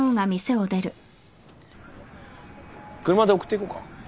車で送っていこうか？